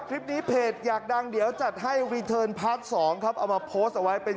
นี่คลิปนี้เพจอยากดังเดี๋ยวจัดให้ภาส๒เอาไว้โพสไตร์ไว้เป็นคลิปที่นะครินวิทย์โรงสาธารณีและเรียนร่วมกัน